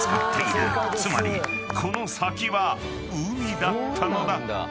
［つまりこの先は海だったのだ］